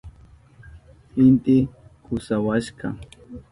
Inti kusawashka.